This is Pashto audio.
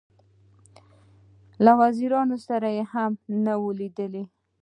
له وزیرانو سره هم نه وه لیدلې.